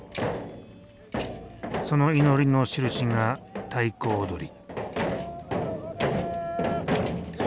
その祈りのしるしが太鼓踊り。